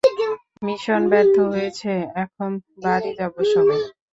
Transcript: Mission ব্যর্থ হয়েছে, এখন বাড়ি যাব সবাই!